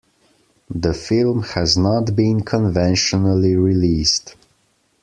The film has not been conventionally released.